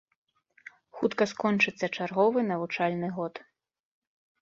Хутка скончыцца чарговы навучальны год.